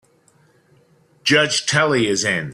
Judge Tully is in.